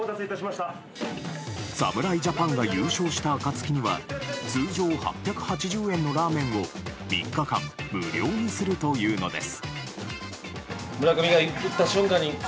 侍ジャパンが優勝した暁には通常８８０円のラーメンを３日間、無料にするというのです。